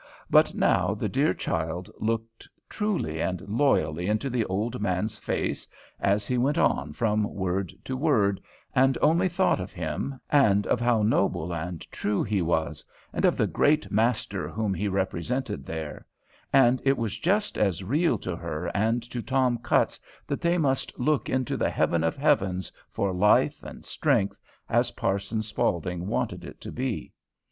But now the dear child looked truly and loyally into the old man's face, as he went on from word to word, and only thought of him, and of how noble and true he was, and of the Great Master whom he represented there, and it was just as real to her and to Tom Cutts that they must look into the Heaven of heavens for life and strength, as Parson Spaulding wanted it to be.